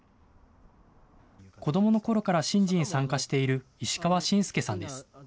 子どものころから神事に参加している石川信介さんです。